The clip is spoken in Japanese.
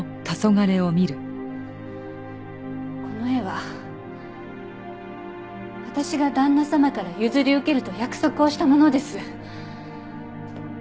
この絵は私が旦那様から譲り受けると約束をしたものです。